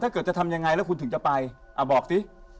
ถ้าเกิดจะทำยังไงแล้วคุณถึงจะไปบอกสิ